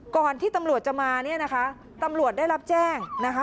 ก่อนที่ตำรวจจะมาเนี่ยนะคะตำรวจได้รับแจ้งนะคะ